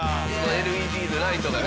ＬＥＤのライトがね。